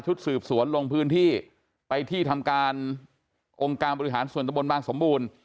สืบสวนลงพื้นที่ไปที่ทำการองค์การบริหารส่วนตะบนบางสมบูรณ์